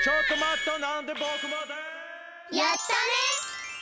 やったね！